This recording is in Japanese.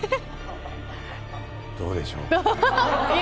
どうでしょう。